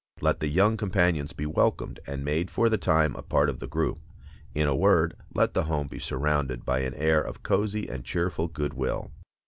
Let the young companions be welcomed and made for the time a part of the group. In a word, let the home be surrounded by an air of cozy and cheerful good will.